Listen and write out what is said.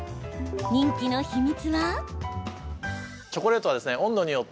人気の秘密は？